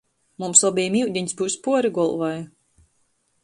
Mums obejim iudiņs byus puori golvai.